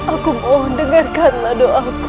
aku mohon dengarkanlah doaku